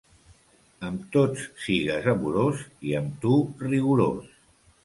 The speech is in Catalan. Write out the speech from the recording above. Amb tots sigues amorós i amb tu rigorós.